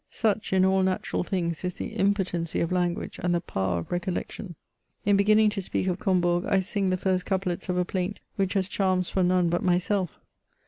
Such, in all natural things, is the impotency of language and the power of recollection ! |n beginning to speak of Combourg, I sing t}ie first couplets of a plaint which hf^ charms for none but my self.